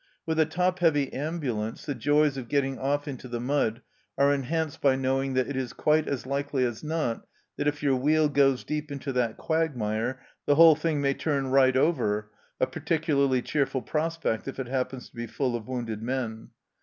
With a top heavy ambulance the joys of getting off into the mud are enhanced by knowing that it is quite as likely as not that if your wheel goes deep into that quagmire the whole thing may turn right over, a particularly cheerful prospect if it happens to be full of wounded men